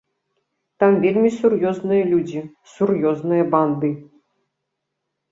Там вельмі сур'ёзныя людзі, сур'ёзныя банды.